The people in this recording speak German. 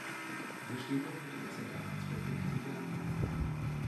Wir stehen doch heute besser da als vor fünfzig Jahren.